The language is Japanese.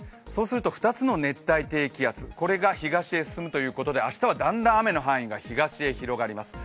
２つの熱帯低気圧、これが東へ進むということで明日はだんだん雨の範囲が東へ広がります。